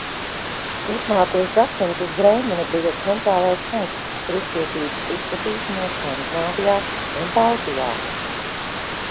Turpmākos gadsimtus Brēmene bija centrālais punkts kristietības izplatīšanai Skandināvijā un Baltijā.